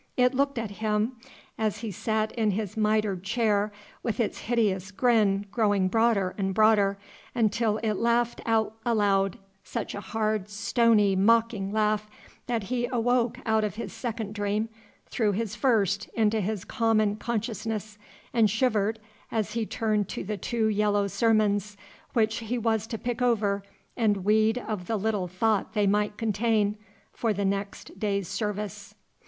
It looked at him, as he sat in his mitred chair, with its hideous grin growing broader and broader, until it laughed out aloud, such a hard, stony, mocking laugh, that he awoke out of his second dream through his first into his common consciousness, and shivered, as he turned to the two yellow sermons which he was to pick over and weed of the little thought they might contain, for the next day's service.